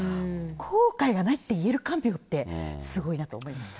後悔がないって言える看病って、すごいなと思いました。